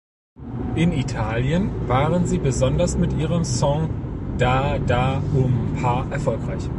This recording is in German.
In Italien waren sie besonders mit ihrem Song "Da-da-um-pa" erfolgreich.